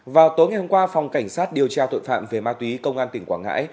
vào tối ngày hôm qua phòng cảnh sát điều tra tội phạm về ma túy công an tỉnh quảng ngãi